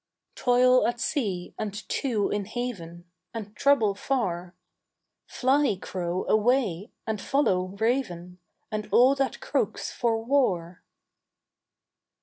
"Toil at sea and two in haven And trouble far: Fly, crow, away, and follow, raven, And all that croaks for war."